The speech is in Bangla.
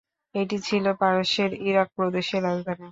এটি ছিল পারস্যের ইরাক প্রদেশের রাজধানী।